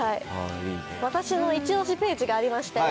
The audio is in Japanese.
私のイチオシページがありまして。